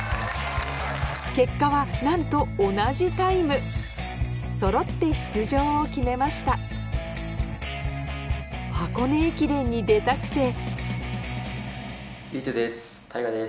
結果はなんと同じタイムそろって出場を決めました箱根駅伝に出たくて唯翔です。